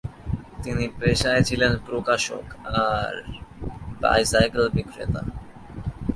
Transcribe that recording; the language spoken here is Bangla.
তিনি পেশায় ছিলেন প্রকাশক এবং বাইসাইকেল বিক্রেতা।